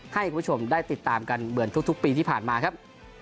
ให้คุณผู้ชมได้ติดตามกันเหมือนทุกปีที่ผ่านมาครับ